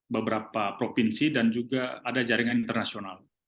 beberapa provinsi dan juga ada jaringan internasional